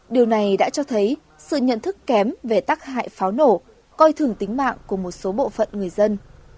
điều này đã cho thấy sự nhận thức kém về tác hại pháo nổ coi thường tính mạng của một số bộ phận người dân